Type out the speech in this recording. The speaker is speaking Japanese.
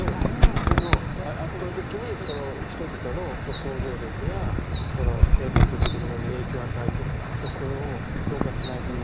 だけど圧倒的にその人々の想像力やその生活というものに影響を与えてるこれを評価しないでいいのかというようなこともありますよね。